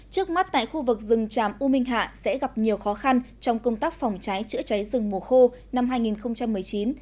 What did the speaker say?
trước mắt tại khu vực rừng tràm u minh hạ sẽ gặp nhiều khó khăn trong công tác phòng cháy chữa cháy rừng mùa khô năm hai nghìn một mươi chín hai nghìn hai mươi